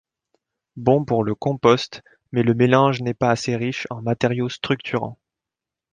Bon pour le compost mais le mélange n'est pas assez riche en matériaux structurant.